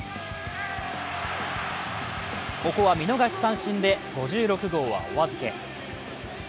ここは見逃し三振で５６号はお預け。